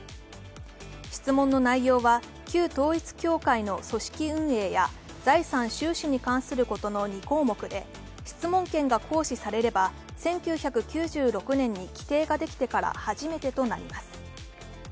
質問の内容は、旧統一教会の組織運営や財産・収支に関することの２項目で質問権が行使されれば１９９６年に規定ができてから初めてとなります。